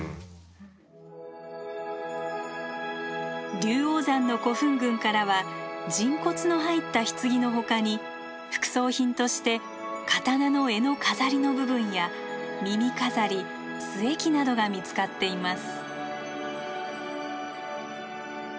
龍王山の古墳群からは人骨の入った棺のほかに副葬品として刀の柄の飾りの部分や耳飾り須恵器などが見つかっています。